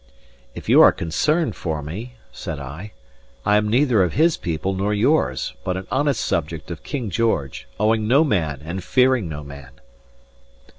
"If you are concerned for me," said I, "I am neither of his people nor yours, but an honest subject of King George, owing no man and fearing no man."